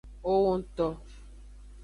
Owongto.